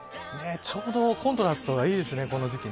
ちょうどコントラストがいいですね、この時期。